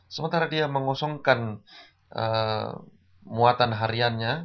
sementara dia mengusungkan muatan hariannya